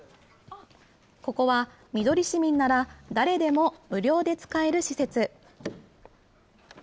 ここは、みどり市民なら誰でも無料で使える施設。